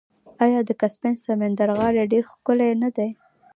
آیا د کسپین سمندر غاړې ډیرې ښکلې نه دي؟